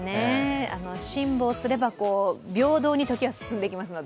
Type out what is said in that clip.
辛抱すれば平等に時は進んでいきますので。